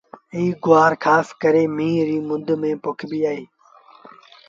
ايٚ گُوآر کآس ڪري ميݩهن ريٚ مند ميݩ پوکبو اهي۔